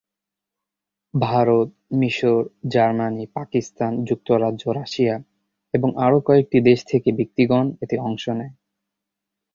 ভারত, মিশর, জার্মানি, পাকিস্তান, যুক্তরাজ্য, রাশিয়া এবং আরও কয়েকটি দেশ থেকে ব্যক্তিগণ এতে অংশ নেয়।